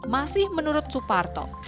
masih menurut suparto